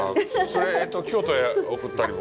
それ、京都へ送ったりも。